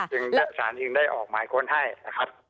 จึงสารอิงได้ออกมาค้นให้ครับ